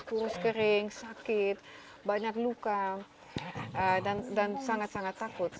kurus kering sakit banyak luka dan sangat sangat takut